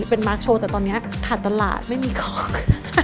เป็นมาร์คโชว์แต่ตอนนี้ขาดตลาดไม่มีของ